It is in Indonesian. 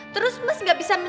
terus mas enggak bisa mencari